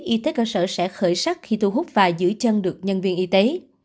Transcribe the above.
y tế cơ sở sẽ khởi sắc khi thu hút và giữ chân được nhân viên y tế